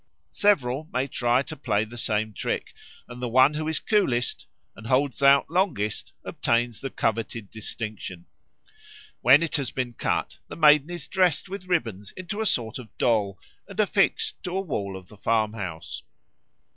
Several may try to play the same trick, and the one who is coolest and holds out longest obtains the coveted distinction. When it has been cut, the Maiden is dressed with ribbons into a sort of doll and affixed to a wall of the farmhouse.